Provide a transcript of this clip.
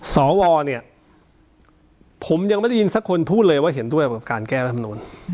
สวเนี่ยผมยังไม่ได้ยินสักคนพูดเลยว่าเห็นด้วยกับการแก้รัฐมนูล